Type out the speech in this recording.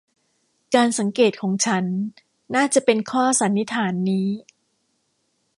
การสังเกตของฉันน่าจะเป็นข้อสันนิษฐานนี้